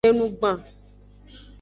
Enugban.